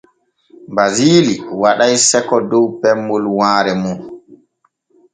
Basili waɗay sekko dow pemmol waare mum.